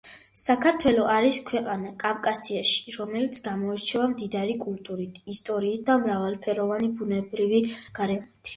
საქართველო არის ქვეყანა კავკასიაში, რომელიც გამოირჩევა მდიდარი კულტურით, ისტორიით და მრავალფეროვანი ბუნებრივი გარემოთი.